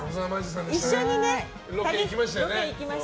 一緒にね、旅ロケ行きましたね。